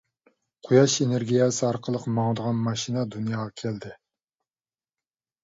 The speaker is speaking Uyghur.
قۇياش ئېنېرگىيەسى ئارقىلىق ماڭىدىغان ماشىنا دۇنياغا كەلدى.